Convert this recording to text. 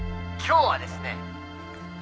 今日はですね